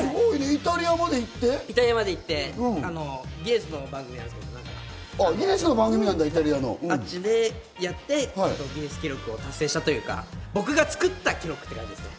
イタリアまギネスの番組があるんですけれども、あっちでやって、ギネス記録を達成したというか、僕が作った記録という感じです。